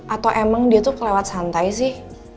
atau emang dia tuh kelewat santai sih